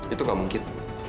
itu gak mungkin